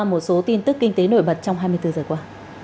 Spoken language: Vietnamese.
một số tin tức kinh tế nổi bật trong hai mươi bốn giờ qua